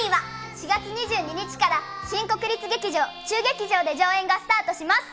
４月２２日から新国立劇場中劇場で上演がスタートします。